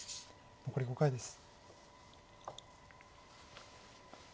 残り５回です。